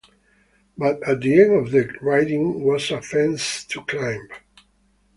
But at the end of the riding was a fence to climb.